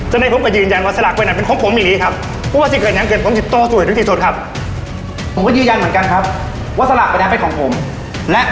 จะได้คุณไปยืนยันว่าสลักไปนั้นเป็นของผมอย่างนี้ครับ